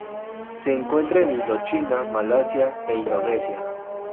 Se encuentra en Indochina, Malasia e Indonesia.